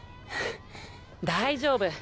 大丈夫！